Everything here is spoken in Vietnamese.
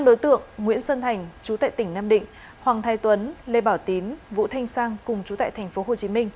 năm đối tượng nguyễn sơn thành chú tại tỉnh nam định hoàng thái tuấn lê bảo tín vũ thanh sang cùng chú tại tp hcm